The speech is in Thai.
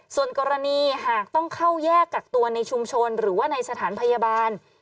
ส่วนกรณีหากต้องเข้าแยกกักตัวในชุมชนหรือว่าในสถานพยาบาล